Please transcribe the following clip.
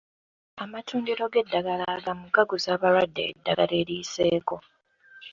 Amatundiro g'eddagala agamu gaguza abalwadde eddagala eriyiseeko.